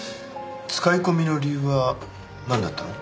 使い込みの理由はなんだったの？